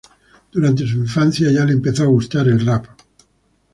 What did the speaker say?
Durante su infancia ya le empezó a gustar el rap.